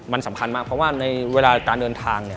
มันสำคัญมากเพราะว่าในเวลาการเดินทางเนี่ย